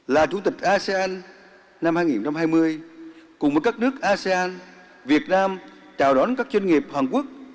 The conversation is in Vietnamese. là chủ tịch asean năm hai nghìn hai mươi cùng với các nước asean việt nam chào đón các doanh nghiệp hàn quốc